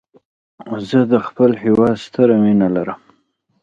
زه د خپل هېواد سره مینه لرم.